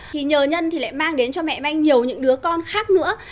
thì nhờ nhân thì lại mang đến cho mẹ anh nhiều những đứa con khác nữa